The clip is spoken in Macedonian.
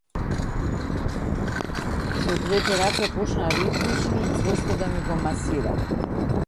Со двете раце почна ритмично и цврсто да ми го масира.